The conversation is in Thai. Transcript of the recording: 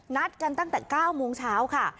นัดกันตั้งแต่๙โมงเช้าค่ะ